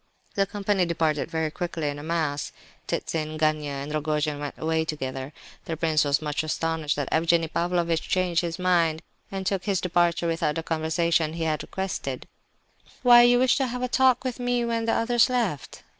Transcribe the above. The company departed very quickly, in a mass. Ptitsin, Gania, and Rogojin went away together. The prince was much astonished that Evgenie Pavlovitch changed his mind, and took his departure without the conversation he had requested. "Why, you wished to have a talk with me when the others left?"